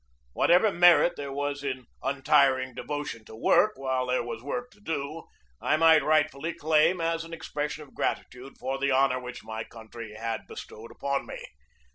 Whatever merit there was in untiring devotion to work while there was work to do, I might rightfully claim as an expression of gratitude for the honor which my coun try had bestowed upon me.